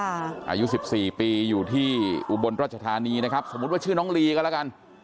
อายุ๑๔ปีอยู่ที่อุบลรัชธานีนะครับสมมุติว่าชื่อน้องลีก็แล้วกัน